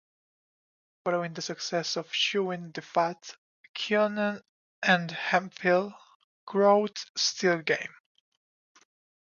Following the success of "Chewin' The Fat", Kiernan and Hemphill wrote Still Game.